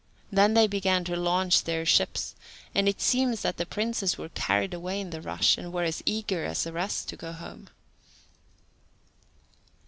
Then they began to launch their ships, and it seems that the princes were carried away in the rush, and were as eager as the rest to go home.